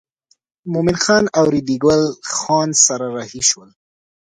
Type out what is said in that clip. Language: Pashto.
مومن خان او ریډي ګل خان سره رهي شول.